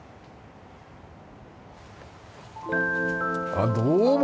あっどうも。